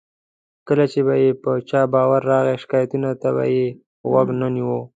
کله چې به یې پر چا باور راغی، شکایتونو ته یې غوږ نه نیو.